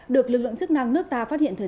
được lực lượng chức năng nước ta phát hiện thật sự